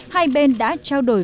hai bên đã trao đổi